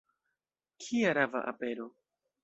Kia rava apero!